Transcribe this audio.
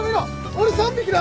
俺３匹だ！